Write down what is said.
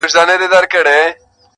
د سکريټو آخيري قطۍ ده پاته.